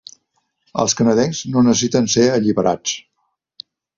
Els canadencs no necessiten ser alliberats.